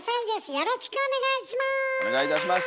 よろしくお願いします。